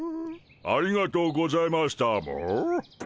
ありがとうございましたモ。